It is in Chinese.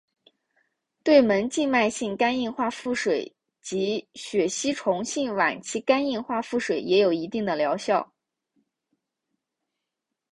对门静脉性肝硬化腹水及血吸虫性晚期肝硬化腹水也有一定的疗效。